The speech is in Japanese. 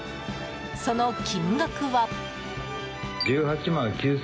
その金額は。